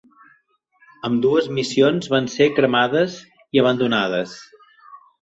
Ambdues missions van ser cremades i abandonades.